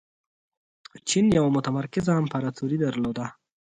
چین یوه متمرکزه امپراتوري درلوده.